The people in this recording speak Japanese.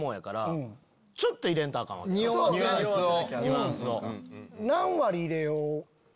ニュアンスを。